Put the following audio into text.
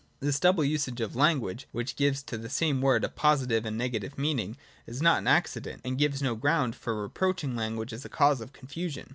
j This double usage of language, which gives to the same word a positive and nega tive meaning, is not an accident, and gives no ground for reproaching language as a cause of confusion.